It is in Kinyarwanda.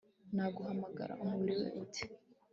naguhamagara, umubwire uti